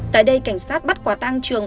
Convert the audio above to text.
tại đây cảnh sát bắt quả tang trường